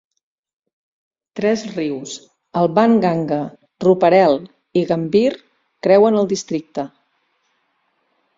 Tres rius, el Ban Ganga, Rooparel i Gambhir, creuen el districte.